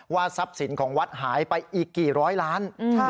ทรัพย์สินของวัดหายไปอีกกี่ร้อยล้าน